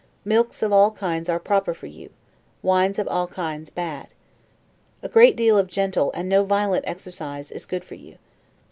Milks of all kinds are proper for you; wines of all kinds bad. A great deal of gentle, and no violent exercise, is good for you.